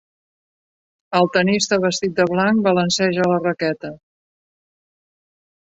El tenista vestit de blanc balanceja la raqueta.